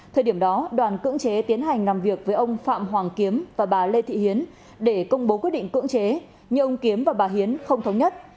thời điểm đó đoàn cưỡng chế tiến hành làm việc với ông phạm hoàng kiếm và bà lê thị hiến để công bố quyết định cưỡng chế nhưng ông kiếm và bà hiến không thống nhất